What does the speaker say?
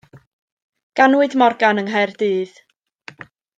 Ganwyd Morgan yng Nghaerdydd.